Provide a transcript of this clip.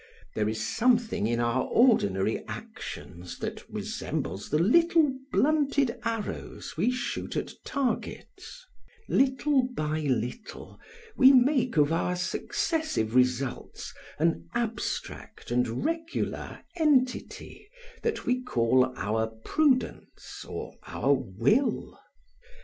There is something in our ordinary actions that resembles the little blunted arrows we shoot at targets; little by little we make of our successive results an abstract and regular entity that we call our prudence or our will.